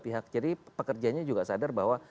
pihak jadi pekerjanya juga sadar bahwa